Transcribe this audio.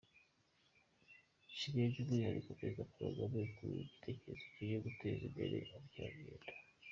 Nshimiye by’umwihariko Perezida Paul Kagame ku bw’icyerekezo cye cyo guteza imbere ubukerarugendo.